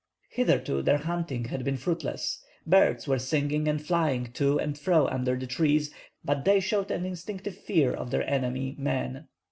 Hitherto their hunting had been fruitless. Birds were singing and flying to and fro under the trees; but they showed an instinctive fear of their enemy man.